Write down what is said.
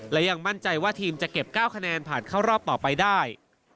และยังมั่นใจว่าทีมจะเก็บ๙คะแนนผ่านเข้ารอบต่อไปได้